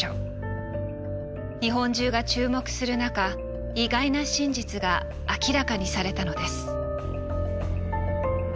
日本中が注目する中意外な真実が明らかにされたのです。